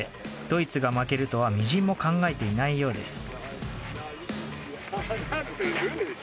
ドイツが負けるとはみじんも考えていないようです。